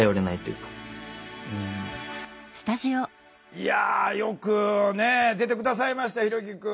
いやよく出て下さいましたひろきくん。